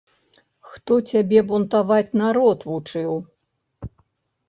Хто цябе бунтаваць народ вучыў?